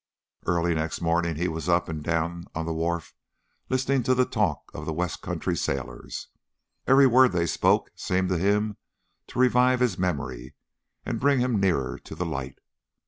Early next morning he was up and down on the wharf listening to the talk of the west country sailors. Every word they spoke seemed to him to revive his memory and bring him nearer to the light.